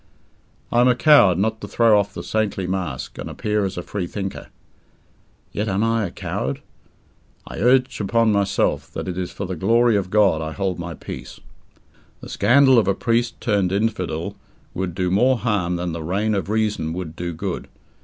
I am a coward not to throw off the saintly mask, and appear as a Freethinker. Yet, am I a coward? I urge upon myself that it is for the glory of God I hold my peace. The scandal of a priest turned infidel would do more harm than the reign of reason would do good.